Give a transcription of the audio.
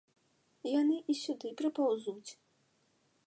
Яны і сюды прыпаўзуць.